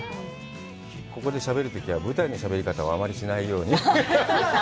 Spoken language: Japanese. ここでしゃべるときは舞台のしゃべり方をあまりしないように。